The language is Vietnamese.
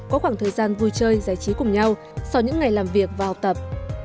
có khoảng thời gian vui chơi giải trí cùng nhau sau những ngày làm việc và học tập